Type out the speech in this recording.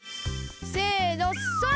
せのそれ！